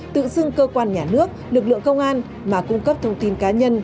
tự xưng cơ quan nhà nước lực lượng công an mà cung cấp thông tin cá nhân